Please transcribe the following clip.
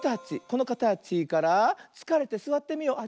このかたちからつかれてすわってみよう。